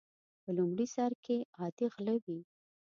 په لومړي سر کې عادي غله وي.